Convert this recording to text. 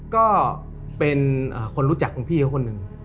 ก็เป็นคนรู้จักของพี่เขาคนหนึ่ง